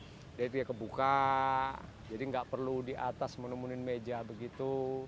jadi itu sudah terbuka jadi tidak perlu di atas menemuni meja begitu